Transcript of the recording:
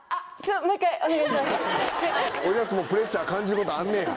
おじゃすもプレッシャー感じることあんねや。